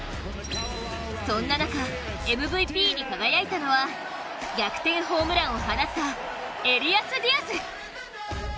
そんな中、ＭＶＰに輝いたのは逆転ホームランを放ったエリアス・ディアス。